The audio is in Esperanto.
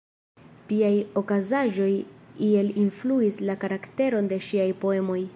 Tiaj okazaĵoj iel influis la karakteron de ŝiaj poemoj.